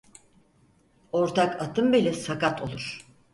Ortak atın beli sakat olur.